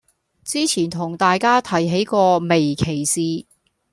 之前同大家提起過微歧視